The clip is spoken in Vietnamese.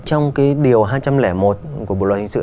trong cái điều hai trăm linh một của bộ luật hình sự